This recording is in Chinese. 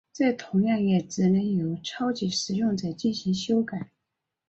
这同样也只能由超级使用者进行修改。